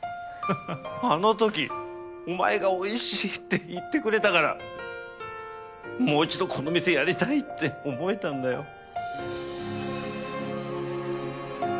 あの時お前がおいしいって言ってくれたからもう一度この店やりたいって思えたんだよ。